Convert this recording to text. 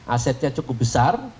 asetnya cukup besar